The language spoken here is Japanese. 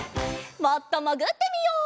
もっともぐってみよう。